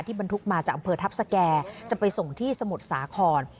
บรรทุกมาจากอำเภอทัพสแก่จะไปส่งที่สมุทรสาคร